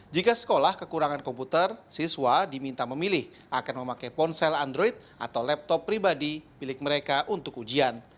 jika sekolah kekurangan komputer siswa diminta memilih akan memakai ponsel android atau laptop pribadi milik mereka untuk ujian